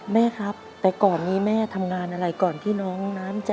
แม่ครับแต่ก่อนนี้แม่ทำงานอะไรก่อนที่น้องน้ำจะ